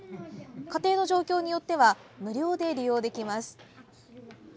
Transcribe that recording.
家庭の状況によっては無料で利用できます。